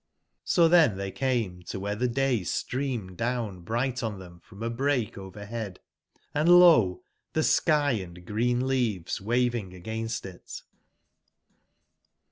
So then they came to where the day streamed down bright on them from a break over/ bead, an d lo 1 1 be s ky & green leaves wavin g again st it.